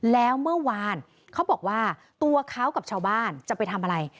แล้วเมื่อวานเขาบอกว่าตัวเขากับชาวบ้านจะไปทำอะไร